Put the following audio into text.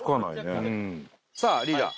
さあリーダー